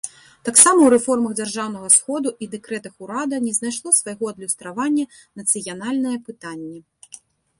Таксама ў рэформах дзяржаўнага сходу і дэкрэтах урада не знайшло свайго адлюстравання нацыянальнае пытанне.